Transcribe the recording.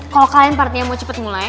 kalo kalian partinya mau cepet mulai